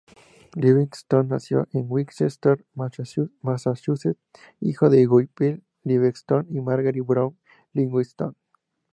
Livingstone nació en Winchester, Massachusetts, hijo de Guy P. Livingstone y Margery Brown Livingstone.